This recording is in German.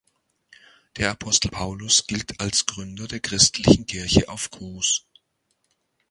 Der Apostel Paulus gilt als Gründer der christlichen Kirche auf Kos.